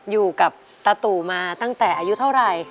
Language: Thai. อยู่กับตาตู่มาตั้งแต่อายุเท่าไหร่